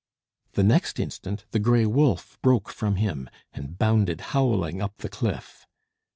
The next instant, the gray wolf broke from him, and bounded howling up the cliff.